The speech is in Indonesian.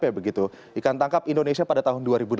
jadi itu ikan tangkap indonesia pada tahun dua ribu delapan belas